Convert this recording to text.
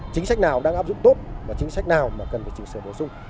chính sách nào đang áp dụng tốt và chính sách nào mà cần phải chỉnh sửa bổ sung